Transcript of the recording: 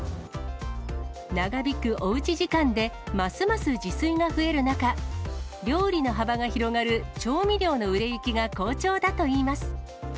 長引くおうち時間でますます自炊が増える中、料理の幅が広がる調味料の売れ行きが好調だといいます。